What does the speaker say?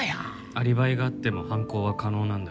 アリバイがあっても犯行は可能なんだ。